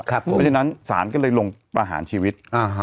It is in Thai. เพราะฉะนั้นศาลก็เลยลงประหารชีวิต